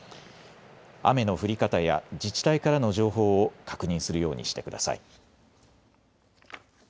雨の降り方や自治体からの情報を確認するようにしてください。